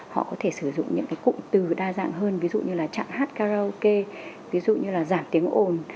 họ có thể sử dụng những cái cụm từ đa dạng hơn ví dụ như là chạm hát karaoke ví dụ như là giảm tiếng ồn